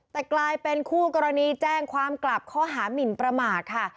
แต่กลายเป็นคู่กรณีแจ้งความกลับข้อหามินประมาทค่ะ